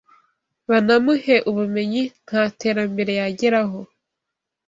banamuhe ubumenyi nta terambere yageraho